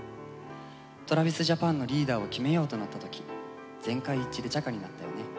ＴｒａｖｉｓＪａｐａｎのリーダーを決めようとなった時全会一致でちゃかになったよね。